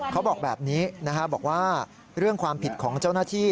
เขาบอกแบบนี้บอกว่าเรื่องความผิดของเจ้าหน้าที่